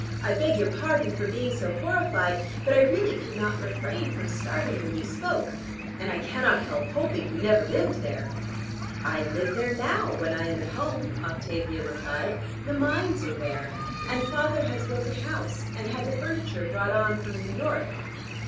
"I beg your pardon for being so horrified, but I really could not refrain from starting when you spoke; and I cannot help hoping you never lived there." "I live there now, when I am at home," Octavia replied. "The mines are there; and father has built a house, and had the furniture brought on from New York."